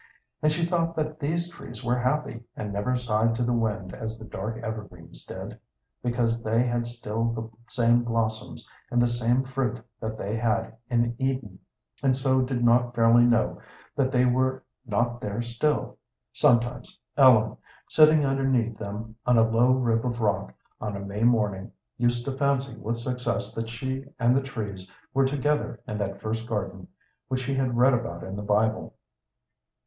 And she thought that these trees were happy, and never sighed to the wind as the dark evergreens did, because they had still the same blossoms and the same fruit that they had in Eden, and so did not fairly know that they were not there still. Sometimes Ellen, sitting underneath them on a low rib of rock on a May morning, used to fancy with success that she and the trees were together in that first garden which she had read about in the Bible.